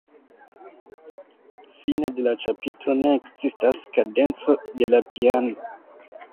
Fine de la ĉapitro ne ekzistas kadenco de la piano.